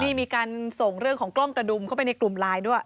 นี่มีการส่งเรื่องของกล้องกระดุมเข้าไปในกลุ่มไลน์ด้วย